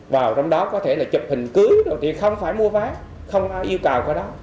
vào trong đó có thể là chụp hình cưới thì không phải mua vé không yêu cầu vào đó